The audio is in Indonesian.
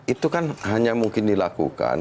itu kan hanya mungkin dilakukan